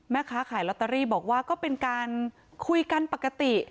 แม่ค้าขายลอตเตอรี่บอกว่าก็เป็นการคุยกันปกติ